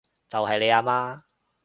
就係你阿媽